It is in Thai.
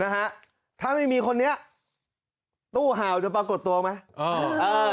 นะฮะถ้าไม่มีคนนี้ตู้เห่าจะปรากฏตัวไหมอ่าเออ